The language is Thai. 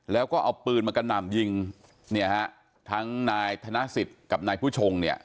แล้วก็เอาปืนมากระหน่ำยิงเนี่ยฮะทั้งนายธนสิทธิ์กับนายผู้ชงเนี่ย